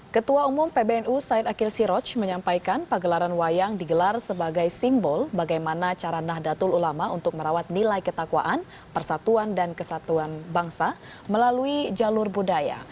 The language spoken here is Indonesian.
ketua umum pbnu said akil siroj menyampaikan pagelaran wayang digelar sebagai simbol bagaimana cara nahdlatul ulama untuk merawat nilai ketakwaan persatuan dan kesatuan bangsa melalui jalur budaya